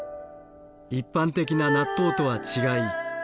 一般的な納豆とは違い